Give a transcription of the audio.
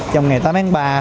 trong ngày tám tháng ba